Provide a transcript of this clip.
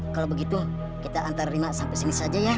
kalau begitu kita antar rima sampai sini saja ya